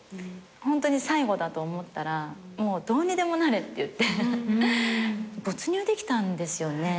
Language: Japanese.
ホントに最後だと思ったらもうどうにでもなれって言って没入できたんですよね。